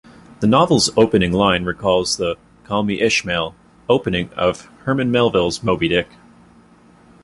The novel's opening line recalls the "Call me Ishmael" opening of Herman Melville's "Moby-Dick".